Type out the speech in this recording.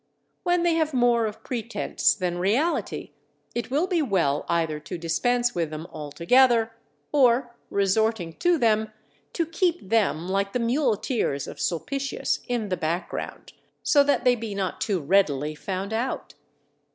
When they have more of pretence than reality, it will be well either to dispense with them altogether, or resorting to them, to keep them, like the muleteers of Sulpitius, in the background, so that they be not too readily found out.